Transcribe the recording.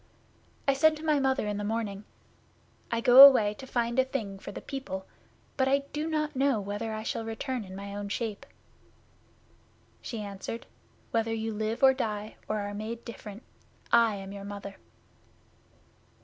'I said to my Mother in the morning, "I go away to find a thing for the people, but I do not know whether I shall return in my own shape." She answered, "Whether you live or die, or are made different, I am your Mother."